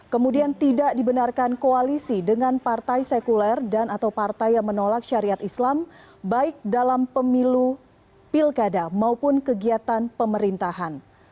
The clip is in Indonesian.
kemudian tidak dibenarkan koalisi dengan partai sekuler dan atau partai yang menolak syariat islam baik dalam pemilu pilkada maupun kegiatan pemerintahan